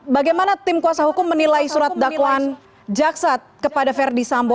bagaimana tim kuasa hukum menilai surat dakwaan jaksa kepada verdi sambo